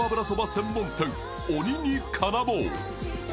専門店、鬼に金棒。